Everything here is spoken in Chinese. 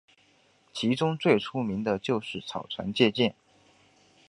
其中最出名的就是草船借箭。